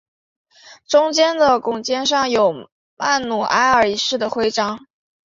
中间的拱肩上有曼努埃尔一世的徽章。